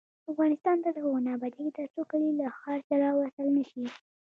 افغانستان تر هغو نه ابادیږي، ترڅو کلي له ښار سره وصل نشي.